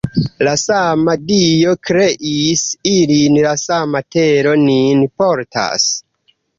La sama Dio kreis ilin, la sama tero nin portas.